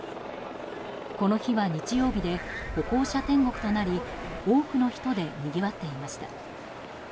この日は日曜日で歩行者天国となり多くの人でにぎわっていました。